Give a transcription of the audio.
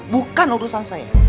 bukan urusan saya